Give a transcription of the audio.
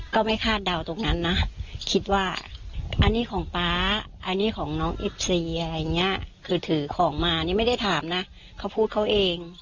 ก็ไม่คาดเดาตรงนั้นนะคิดว่าอันนี้ของป๊าอันนี้ของน้องเอฟซีอะไรอย่างเงี้ยคือถือของมานี่ไม่ได้ถามนะเขาพูดเขาเอง